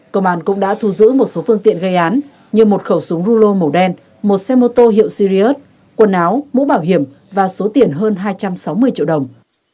công an cũng đã thu giữ một số phương tiện gây án như một khẩu súng rulo màu đen một xe mô tô hiệu sirius quần áo mũ bảo hiểm và số tiền hơn hai trăm sáu mươi triệu đồng